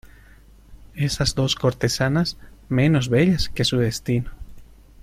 esas dos cortesanas menos bellas que su destino.